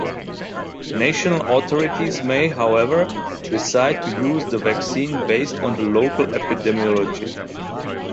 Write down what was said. National authorities may however, decide to use the vaccine based on the local epidemiology.